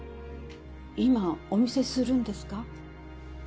今お見せするんですか？